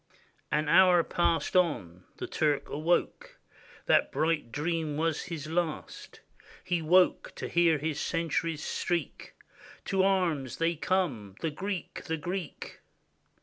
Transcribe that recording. An hour passed on — the Turk awoke; That bright dream was his last; He woke — to hear his sentries shriek, "To arms! they come! the Greek! the Greek!"